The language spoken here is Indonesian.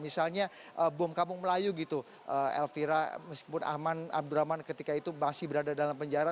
misalnya bom kampung melayu gitu elvira meskipun ahmad abdurrahman ketika itu masih berada dalam penjara